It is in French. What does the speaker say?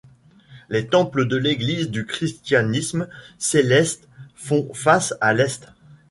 Les temples de l'Église du christianisme céleste font face à l'Est.